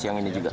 siang ini juga